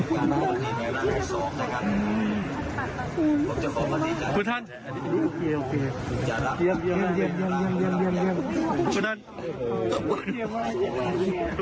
คุณทัน